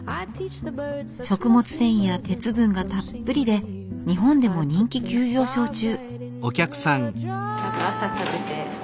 食物繊維や鉄分がたっぷりで日本でも人気急上昇中。